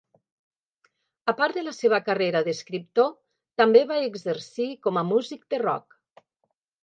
A part de la seva carrera d'escriptor, també va exercir com a músic de rock.